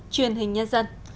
truyền hình nhân dân